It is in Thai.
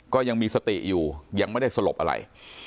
ก็ยังมีสติอยู่ยังไม่ได้สลบอะไร